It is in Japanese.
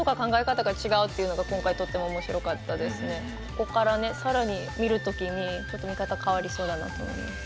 こっからね更に見る時にちょっと見方変わりそうだなと思いました。